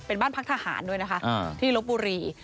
เป็นบ้านพักทหารด้วยนะคะที่ลบบุรี